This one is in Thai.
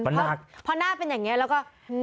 เพราะพอหน้าเป็นอย่างนี้แล้วก็